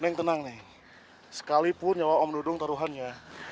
neng tenang neng sekalipun kalau om dudung taruhannya